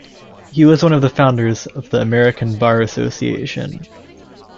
He was one of the founders of the American Bar Association.